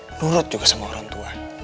menurut juga sama orang tua